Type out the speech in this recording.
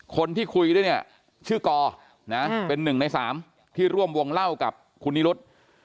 คนที่คุยด้วยเนี่ยชื่อกอนะเป็น๑ใน๓ที่ร่วมวงเล่ากับคุณนิรุธ